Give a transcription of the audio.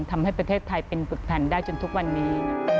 ทำให้ประเทศไทยเป็นผุดแผ่นได้จนทุกวันนี้